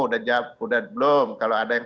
sudah belum kalau ada yang